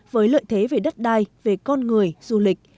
với lợi thế về đất đai về con người du lịch